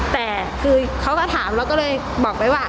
แต่คือเขาก็ถามเราก็เลยบอกไปว่า